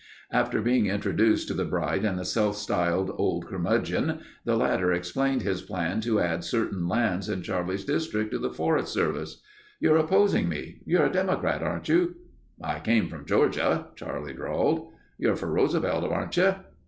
After being introduced to the bride and the self styled "Old Curmudgeon" the latter explained his plan to add certain lands in Charlie's district, to the Forest Reserve. "... You're opposing me. You're a Democrat, aren't you?" "I came from Georgia," Charlie drawled. "You're for Roosevelt, aren't you?"